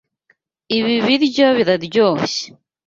Ibi biryo biraryoshye.